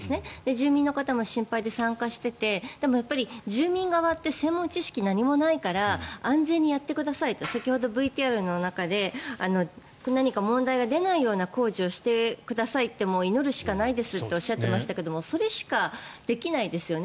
住民の方も心配で参加していてでも住民側って専門知識が何もないから安全にやってくださいと先ほど、ＶＴＲの中で問題がない工事が行われることを祈るしかないですとおっしゃっていましたがそれしかできないですよね。